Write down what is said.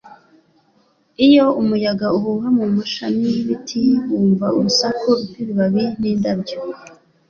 Iyo umuyaga uhuha mu mashami y'ibiti wumva urusaku rw'ibibabi n'indabyo,